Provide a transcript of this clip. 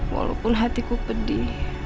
walaupun hatiku pedih